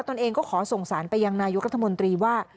ตัวเองก็ขอส่งสารไปยังนายกรัฐมนตรีว่า